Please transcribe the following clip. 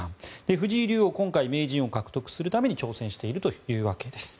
藤井竜王は今回、名人を獲得するために挑戦しているというわけです。